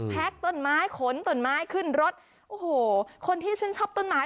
ต้นไม้ขนต้นไม้ขึ้นรถโอ้โหคนที่ชื่นชอบต้นไม้